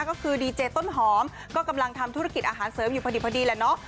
ก็คือดีเจต้นหอมก็กำลังทำธุรกิจอาหารเสริมอยู่พอดีแหละเนาะ